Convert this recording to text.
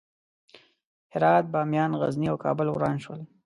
هرات، بامیان، غزني او کابل وران شول.